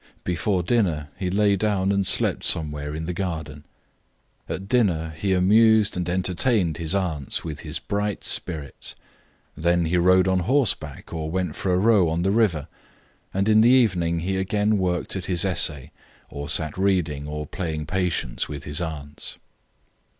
Before dinner he lay down and slept somewhere in the garden. At dinner he amused and entertained his aunts with his bright spirits, then he rode on horseback or went for a row on the river, and in the evening he again worked at his essay, or sat reading or playing patience with his aunts.